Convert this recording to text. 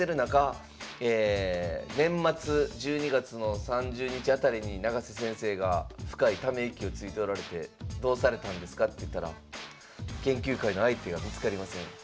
年末１２月の３０日辺りに永瀬先生が深いため息をついておられて「どうされたんですか？」って言ったら「研究会の相手が見つかりません」。